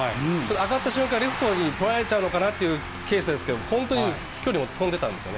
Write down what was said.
上がった瞬間、レフトにとられちゃうのかなっていうけーすですけど、本当に飛距離も飛んでたんですよね。